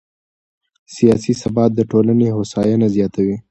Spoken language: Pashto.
سیاسي ثبات د ټولنې هوساینه زیاتوي